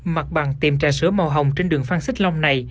mặt bằng tiệm trà sữa màu hồng trên đường phan xích long này